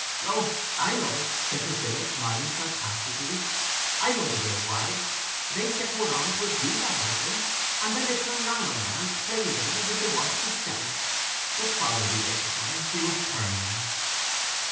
"Oh, I know," said Priscilla, smiling sarcastically, "I know the way o' wives; they set one on to abuse their husbands, and then they turn round on one and praise 'em as if they wanted to sell 'em. But father'll be waiting for me; we must turn now."